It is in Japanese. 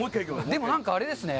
でも、なんかあれですね。